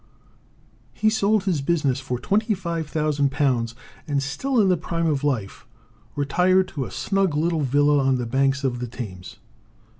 He sold his business for £25,000, and, still in the prime of life, retired to a snug little villa on the banks of the Thames.